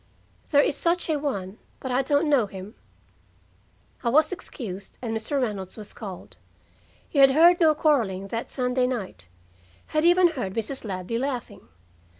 "There is such a one, but I don't know him." I was excused, and Mr. Reynolds was called. He had heard no quarreling that Sunday night; had even heard Mrs. Ladley laughing.